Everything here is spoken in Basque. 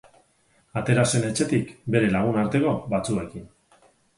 Atera zen etxetik bere lagunarteko batzuekin.